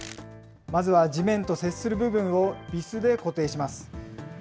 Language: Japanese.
まずは地面と接する部分をビスで固定します。